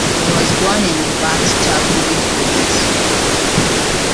He was born in Ratchaburi Province.